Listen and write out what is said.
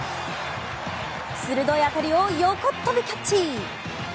鋭い当たりを横っ飛びキャッチ。